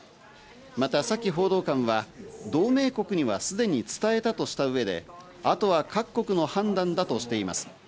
またサキ報道官は、同盟国にはすでに伝えたとした上であとは各国の判断だとしています。